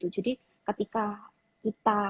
jadi ketika kita